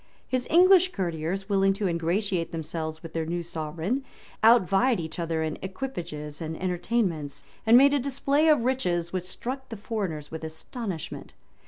His English courtiers, willing to ingratiate themselves with their new sovereign, outvied each other in equipages and entertainments; and made a display of riches which struck the foreigners with astonishment.